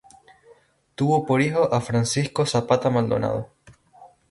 Tuvo por hijo a Francisco Zapata Maldonado.